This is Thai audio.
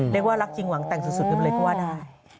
เรียกว่ารักจริงหวังแต่งสุดกันไปเลยก็ว่าได้